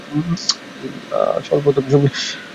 বেশ হাসিখুশি ব্যাপার মনে হচ্ছে।